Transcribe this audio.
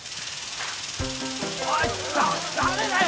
おいだ誰だよ